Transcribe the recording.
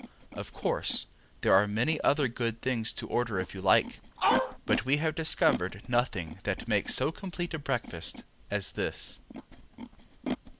Of course there are many other good things to order if you like, but we have discovered nothing that makes so complete a breakfast as this.